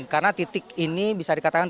karena titik ini bisa dikatakan